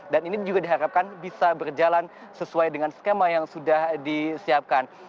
dan ini juga diharapkan bisa berjalan sesuai dengan skema yang sudah disiapkan